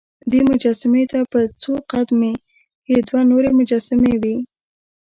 دې مجسمې ته په څو قد مې کې دوه نورې مجسمې وې.